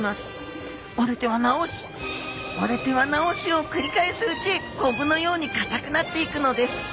折れては治し折れては治しをくり返すうちコブのようにかたくなっていくのです。